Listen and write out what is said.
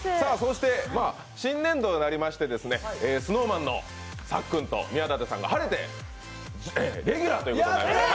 新年度になりまして、ＳｎｏｗＭａｎのさっくんと宮舘さんが晴れてレギュラーということになりました。